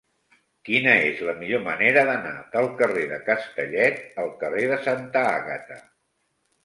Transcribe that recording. Quina és la millor manera d'anar del carrer de Castellet al carrer de Santa Àgata?